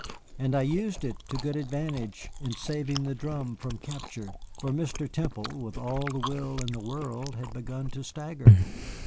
And I used it to good advantage in saving the drum from capture. For Mr. Temple, with all the will in the world, had begun to stagger.